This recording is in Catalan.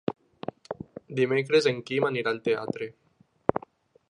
Dimecres en Quim anirà al teatre.